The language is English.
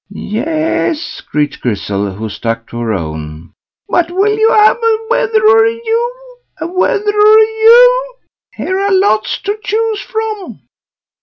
"Yes!" screeched Grizzel, who stuck to her own; "but will you have a wether or a ewe—a wether or a ewe? here are lots to choose from."